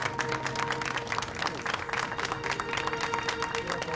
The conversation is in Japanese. ありがとう。